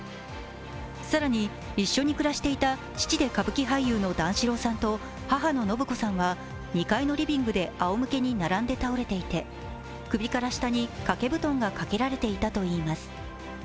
更に、一緒に暮らしていた父で歌舞伎俳優の段四郎さんと母の延子さんは２階のリビングであおむけで並んで倒れていて首から下に掛け布団が掛けられていたといいます。